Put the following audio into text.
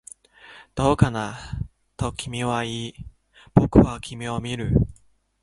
どうかな、と君は言い、僕は君を見る